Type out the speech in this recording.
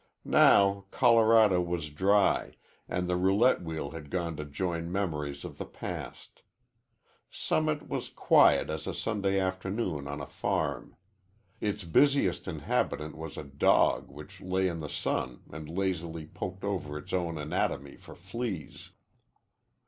Now Colorado was dry and the roulette wheel had gone to join memories of the past. Summit was quiet as a Sunday afternoon on a farm. Its busiest inhabitant was a dog which lay in the sun and lazily poked over its own anatomy for fleas.